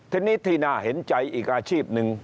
ทีนี้ที่น่าเห็นใจอีกอาชีพหนึ่ง